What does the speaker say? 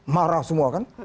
marah semua kan